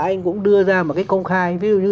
anh cũng đưa ra một cái công khai ví dụ như